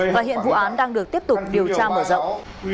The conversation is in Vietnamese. và hiện vụ án đang được tiếp tục điều tra mở rộng